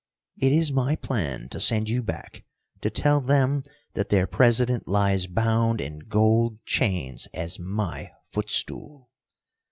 It is my plan to send you back to tell them that their President lies bound in gold chains as my footstool.